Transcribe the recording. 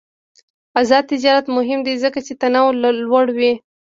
آزاد تجارت مهم دی ځکه چې تنوع لوړوی.